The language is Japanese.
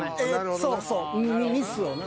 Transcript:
そうそうミスをな。